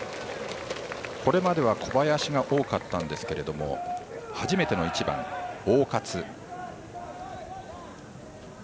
これまでは小林が多かったんですが初めての１番、大勝。